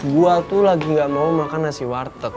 gue tuh lagi gak mau makan nasi war tek